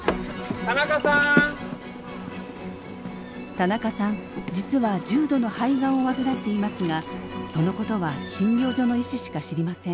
田中さん実は重度の肺がんを患っていますがそのことは診療所の医師しか知りません。